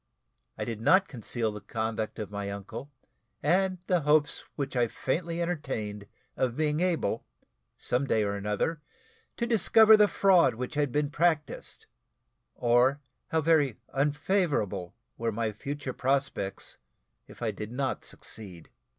I did not conceal the conduct of my uncle, and the hopes which I faintly entertained of being able, some day or another, to discover the fraud which had been practised, or how very unfavourable were my future prospects if I did not succeed.